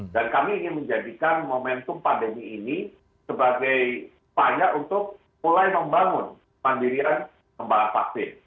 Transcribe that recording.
dan kami ingin menjadikan momentum pandemi ini sebagai paya untuk mulai membangun pandirian kembang vaksin